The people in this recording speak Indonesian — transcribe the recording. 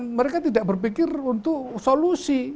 mereka tidak berpikir untuk solusi